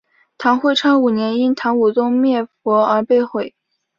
唐会昌五年因唐武宗灭佛而被毁。